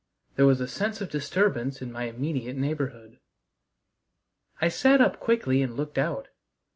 There was a sense of disturbance in my immediate neighborhood. I sat up quickly and looked out.